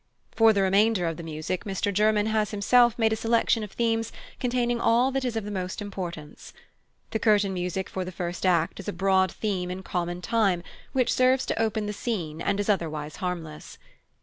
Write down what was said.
For the remainder of the music Mr German has himself made a selection of themes containing all that is of the most importance. The curtain music for the first act is a broad theme in common time, which serves to open the scene and is otherwise harmless.